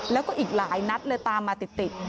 แล้วก็อีกหลายนัดเลยตามมาติด